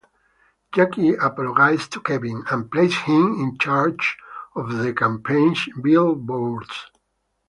Jackie apologizes to Kevin, and places him in charges of the campaign's billboards.